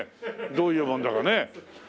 どういうもんだかね。